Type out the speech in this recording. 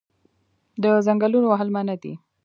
د ځنګلونو وهل منع دي